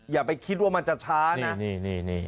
อย่าไปคิดว่ามันจะช้านะ